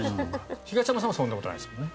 東山さんはそんなことないですよね。